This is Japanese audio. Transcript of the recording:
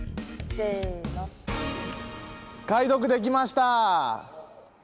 解読できました！